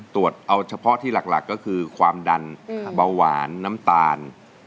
ตรวจเอาเฉพาะที่หลักก็คือความดันเบาหวานน้ำตาล